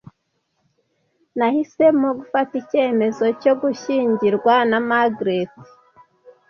Nahisemo gufata icyemezo cyo gushyingirwa na Margaret.